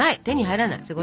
手に入らない。